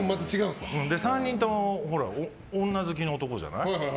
３人とも女好きの男じゃない。